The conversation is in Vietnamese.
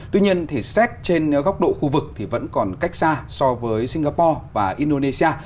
tuy nhiên thì xét trên góc độ khu vực thì vẫn còn cách xa so với singapore và indonesia